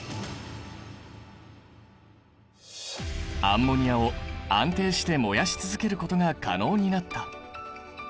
アンモニアを安定して燃やし続けることが可能になった。